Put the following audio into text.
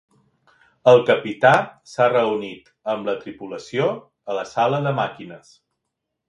El capità s'ha reunit amb la tripulació a la sala de màquines.